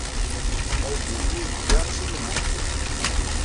Aydi-nni yedda d timendeffirt.